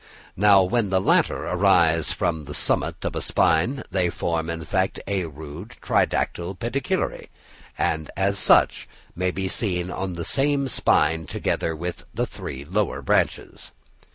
Now when the latter arise from the summit of a spine they form, in fact, a rude tridactyle pedicellariæ, and such may be seen on the same spine together with the three lower branches.